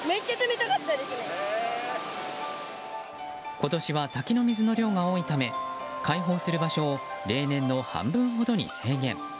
今年は滝の水の量が多いため開放する場所を例年の半分ほどに制限。